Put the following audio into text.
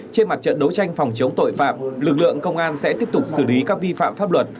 trên mặt trận đấu tranh phòng chống tội phạm lực lượng công an sẽ tiếp tục xử lý các vi phạm pháp luật